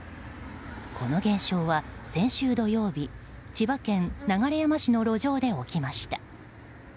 この現象は、先週土曜日千葉県流山市の路上で起きました。